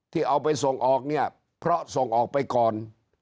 ที่เอาไปส่งออกเนี่ยเพราะส่งออกไปก่อน